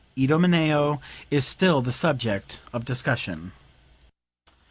"Idomeneo" is still the subject of discussion.)